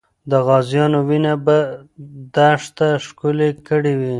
د غازیانو وینه به دښته ښکلې کړې وي.